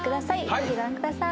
ぜひご覧ください！